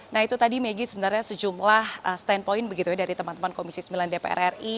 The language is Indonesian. nah itu tadi megi sebenarnya sejumlah standpoint begitu ya dari teman teman komisi sembilan dpr ri